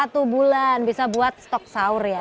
satu bulan bisa buat stok sahur ya